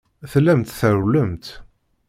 Tellamt trewwlemt.